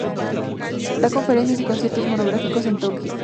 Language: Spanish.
Da conferencias y conciertos monográficos en Tokio.